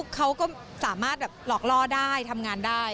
เขาก็สามารถแบบหลอกล่อได้ทำงานได้